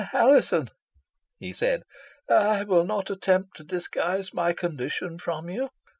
"Alizon," he said, "I will not attempt to disguise my condition from you.